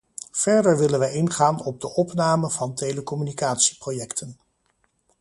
Verder willen wij ingaan op de opname van telecommunicatieprojecten.